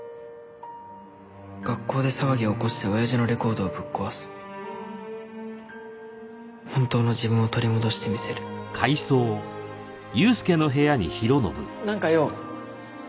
「学校で騒ぎを起こして親父のレコードをぶっ壊す」「本当の自分を取り戻してみせる」なんか用？